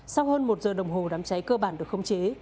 sau hơn một giờ đồng hồ đám cháy cơ bản được không chế